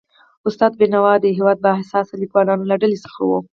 استاد بینوا د هيواد د با احساسه لیکوالانو له ډلې څخه و.